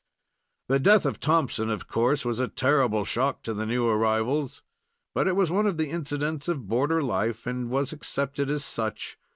The death of Thompson, of course, was a terrible shock to the new arrivals, but it was one of the incidents of border life, and was accepted as such.